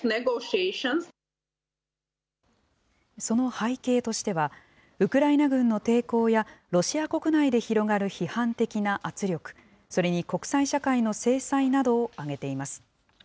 その背景としては、ウクライナ軍の抵抗や、ロシア国内で広がる批判的な圧力、それに国際社会の制裁などを挙げています。